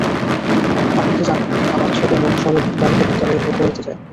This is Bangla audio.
আপনি তো জানেন, আমার ছোটো বোন শরৎ বালিকা-বিদ্যালয়ে পড়িতে যায়।